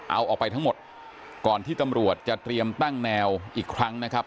เอาออกไปทั้งหมดก่อนที่ตำรวจจะเตรียมตั้งแนวอีกครั้งนะครับ